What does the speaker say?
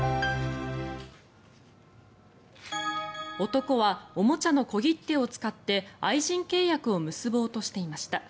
男はおもちゃの小切手を使って愛人契約を結ぼうとしていました。